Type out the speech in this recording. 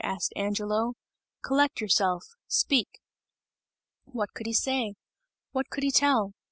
asked Angelo, "Collect yourself! Speak!" What could he say? What could he tell?